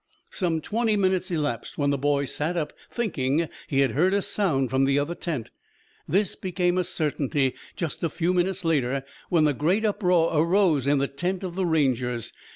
Some twenty minutes elapsed when the boy sat up, thinking he had heard a sound from the other tent. This became a certainty just a few minutes later when a great uproar arose in the tent of the Rangers.